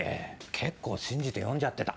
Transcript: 結構信じて読んじゃってた。